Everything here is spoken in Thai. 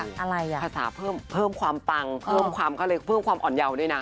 คาถาเพิ่มความปังเพิ่มความอ่อนเยาว์ด้วยนะ